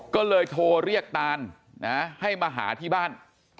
ก็เลยโทรเรียกตานให้มาหาที่บ้าน